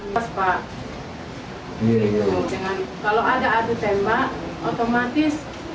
kalau ada adu tembak otomatis